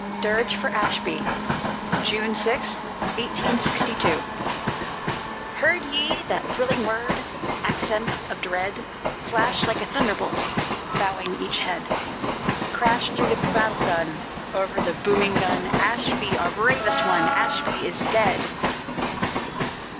DIRGE FOR ASHBY [June 6, 1862] Heard ye that thrilling word Accent of dread Flash like a thunderbolt, Bowing each head, Crash through the battle dun, Over the booming gun, "_Ashby, our bravest one, Ashby is dead!